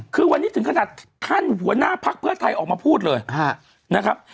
คือวันนี้ถึงขนาดท่านหัวหน้าพักเพื่อไทยออกมาพูดเลยนะครับ